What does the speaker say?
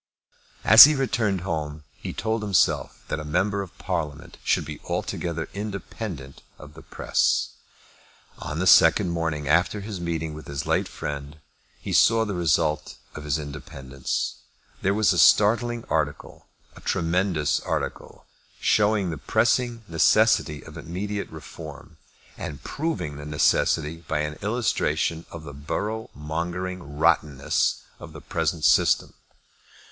As he returned home he told himself that a member of Parliament should be altogether independent of the press. On the second morning after his meeting with his late friend, he saw the result of his independence. There was a startling article, a tremendous article, showing the pressing necessity of immediate reform, and proving the necessity by an illustration of the borough mongering rottenness of the present system.